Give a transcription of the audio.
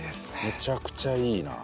めちゃくちゃいいな。